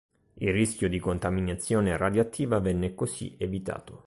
Il rischio di contaminazione radioattiva venne così evitato.